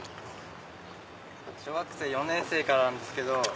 小学４年生からなんですけど。